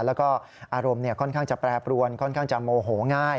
แล้วก็อารมณ์ค่อนข้างจะแปรปรวนค่อนข้างจะโมโหง่าย